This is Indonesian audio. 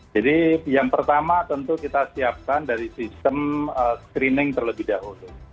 jadi yang pertama tentu kita siapkan dari sistem screening terlebih dahulu